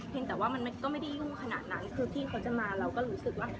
แต่ว่ามันก็ไม่ได้ยุ่งขนาดนั้นคือพี่เขาจะมาเราก็รู้สึกว่า